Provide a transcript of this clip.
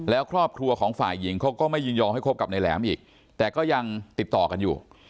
แล้วครอบครัวของฝ่ายหญิงเขาก็ไม่ยินยอมให้คบกับนายแหลมอีกแต่ก็ยังติดต่อกันอยู่